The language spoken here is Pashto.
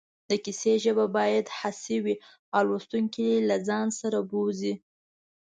د کیسې ژبه باید حسي وي او لوستونکی له ځان سره بوځي